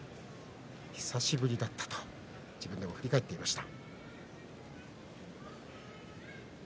久しぶりだったと自分でも振り返っていました。